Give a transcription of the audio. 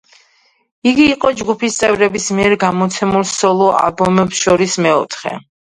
იგი იყო ჯგუფის წევრების მიერ გამოცემულ სოლო-ალბომებს შორის მეოთხე.